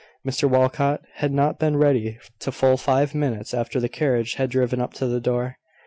Mr Walcot had not been ready for full five minutes after the carriage had driven up to the door.